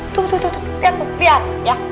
tuh tuh tuh lihat tuh lihat